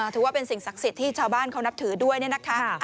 ถือว่าเป็นสิ่งศักดิ์สิทธิ์ที่ชาวบ้านเขานับถือด้วยเนี่ยนะคะ